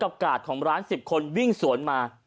กาดของร้าน๑๐คนวิ่งสวนมา